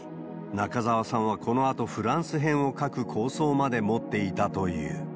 中沢さんはこのあと、フランス編を描く構想まで持っていたという。